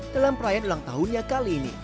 dalam perayaan ulang tahunnya kali ini